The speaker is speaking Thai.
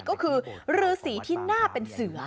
ก็คือฤษีที่น่าเป็นเสือ